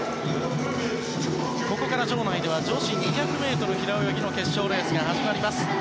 ここから場内では女子２００ｍ平泳ぎの決勝レースが始まります。